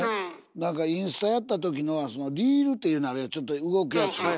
なんかインスタやったときのリールっていうのあれちょっと動くやつ。